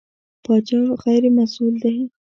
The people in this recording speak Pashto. پاچا غېر مسوول دی.